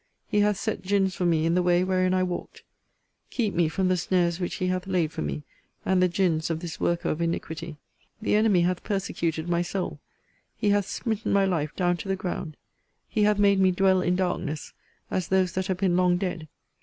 He hath set gins for me in the way wherein I walked. Keep me from the snares which he hath laid for me, and the gins of this worker of iniquity. The enemy hath persecuted my soul. He hath smitten my life down to the ground. He hath made me dwell in darkness, as those that have been long dead.